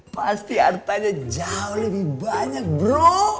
pasti hartanya jauh lebih banyak bro